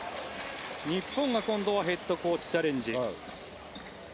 日本が今度はヘッドコーチチャレンジ。